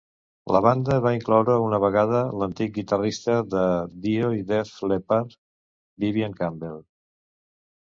La banda va incloure una vegada l'antic guitarrista de Dio i Def Leppard, Vivian Campbell.